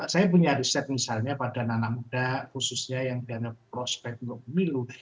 saya punya riset misalnya pada anak muda khususnya yang diandalkan prospek untuk pemilu